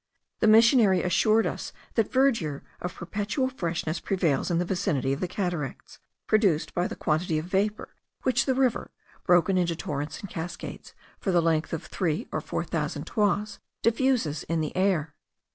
The missionary assured us that verdure of perpetual freshness prevails in the vicinity of the cataracts, produced by the quantity of vapour which the river, broken into torrents and cascades for the length of three or four thousand toises, diffuses in the air.